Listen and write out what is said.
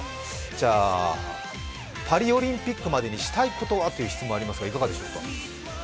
じゃあ、パリオリンピックまでにしたいことはという質問、いかがでしょう？